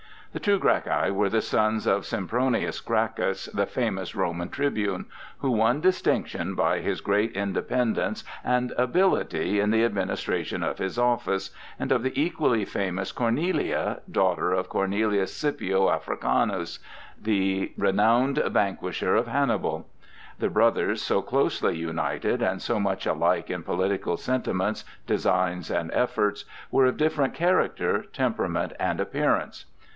The two Gracchi were the sons of Sempronius Gracchus, the famous Roman tribune, who won distinction by his great independence and ability in the administration of his office, and of the equally famous Cornelia, daughter of Cornelius Scipio Africanus, the renowned vanquisher of Hannibal. The brothers, so closely united and so much alike in political sentiments, designs, and efforts, were of different character, temperament, and appearance.